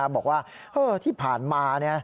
บอกว่าที่ผ่านมา